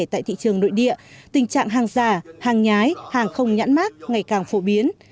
tại thị trường nội địa tình trạng hàng giả hàng nhái hàng không nhãn mát ngày càng phổ biến